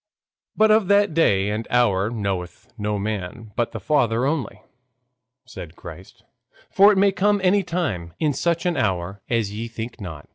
(Matt. xxiv. 3 28.) But of that day and hour knoweth no man but the Father only (Matt. xxiv. 3 6), said Christ. For it may come any time, in such an hour as ye think not.